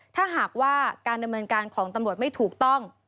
ถ้าหากว่าการดำเนินการของตำรวจไม่ถูกต้อง